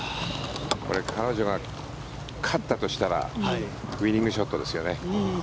彼女が勝ったとしたらウィニングショットですよね。